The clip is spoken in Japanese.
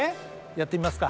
やってみますか？